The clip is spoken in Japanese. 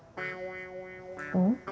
うん？